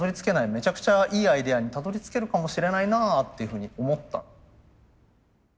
めちゃくちゃいいアイデアにたどりつけるかもしれないなっていうふうに思った。